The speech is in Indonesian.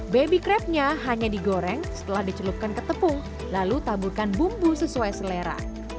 baby crabnya hanya digoreng setelah dicelupkan ke tepung lalu taburkan bumbu sesuai selera